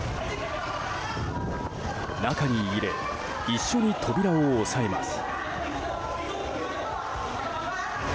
中に入れ一緒に扉を押さえます。